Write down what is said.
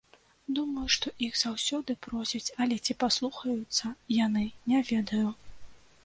Думаю, што іх заўсёды просяць, але ці паслухаюцца яны, не ведаю.